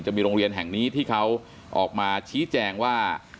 จะมีโรงเรียนแห่งนี้ที่เขาออกมาชี้แจงว่า